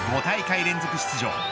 ５大会連続出場